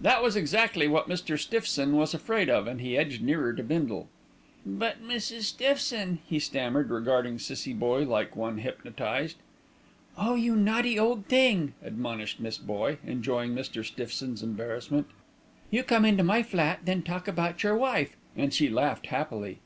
That was exactly what Mr. Stiffson was afraid of, and he edged nearer to Bindle. "But Mrs. Stiffson " he stammered, regarding Cissie Boye like one hypnotised. "Oh! you naughty old thing!" admonished Miss Boye, enjoying Mr. Stiffson's embarrassment. "You come into my flat, then talk about your wife," and she laughed happily.